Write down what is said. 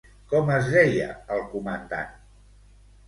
Com es deia el comandant?